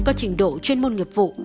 có trình độ chuyên môn nghiệp vụ